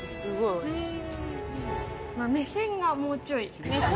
おいしい！